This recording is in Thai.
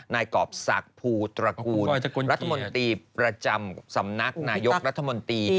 นายกรอบศักดิ์ภูตระกูลรัฐมนตรีประจำสำนักนายกรัฐมนตรี